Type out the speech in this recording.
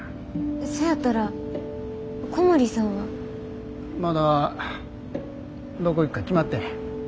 そやったら小森さんは。まだどこ行くか決まってへん。